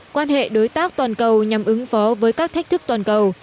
quan hệ đối tác toàn cầu nhằm ứng phó với các thách thức toàn cầu